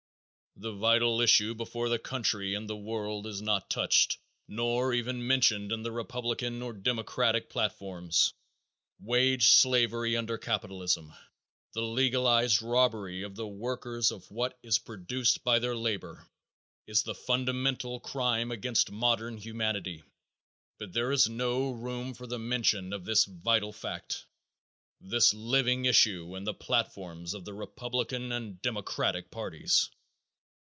_ The vital issue before the country and the world is not touched, nor even mentioned in the Republican or Democratic platforms. Wage slavery under capitalism, the legalized robbery of the workers of what is produced by their labor, is the fundamental crime against modern humanity, but there is no room for the mention of this vital fact, this living issue in the platforms of the Republican and Democratic parties.